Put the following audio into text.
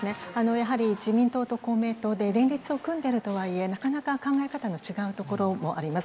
やはり自民党と公明党で連立を組んでるとはいえ、なかなか考え方の違うところもあります。